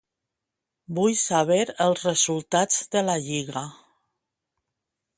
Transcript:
Vull saber els resultats de la Lliga.